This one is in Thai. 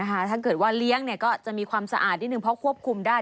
ถ้าเกิดว่าเลี้ยงก็จะมีความสะอาดนิดนึงเพราะควบคุมได้